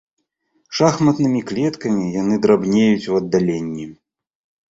Шахматнымі клеткамі яны драбнеюць у аддаленні.